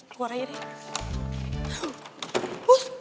keluar aja deh